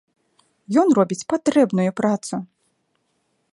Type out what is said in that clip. Ён робіць патрэбную працу!